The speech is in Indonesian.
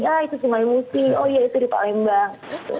ya itu cuma emosi oh iya itu di palembang